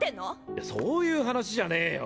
いやそういう話じゃねぇよ。